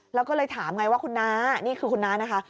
แล้วก็เลยถามไงว่าคุณน้านี่คือคุณน้านะคะ